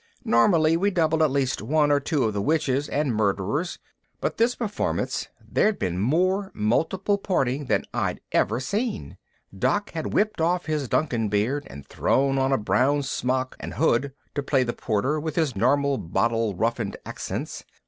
Normally we double at least one or two of the Witches and Murderers, but this performance there'd been more multiple parting than I'd ever seen. Doc had whipped off his Duncan beard and thrown on a brown smock and hood to play the Porter with his normal bottle roughened accents.